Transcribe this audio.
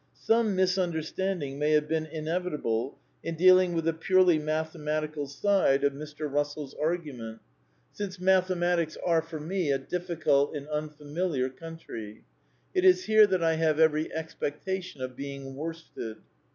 Some misunderstanding may have been inevitable in dealing with the purely mathematical side of Mr. Rus xiv INTKODUCTION sell's argument ; since mathematics are^ for me, a difficult and unfamiliar country. It is here that I have every ex pectation of being worsted.